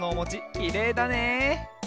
きれいだね。